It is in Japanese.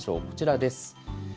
こちらです。